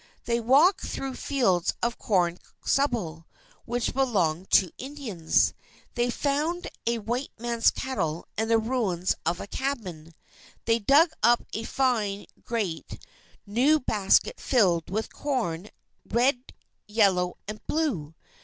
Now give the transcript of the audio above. They walked through fields of corn stubble which belonged to Indians. They found a white man's kettle and the ruins of a cabin. They dug up a fine, great, new basket filled with corn, red, yellow, and blue.